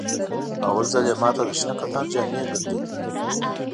په اول ځل یې ماته د شنه کتان جامې ګنډلې وې.